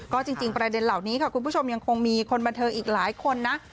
ก็จริงประเด็นเหล่านี้ค่ะคุณผู้ชมยังคงมีคนบันเทิงอีกหลายคนนะ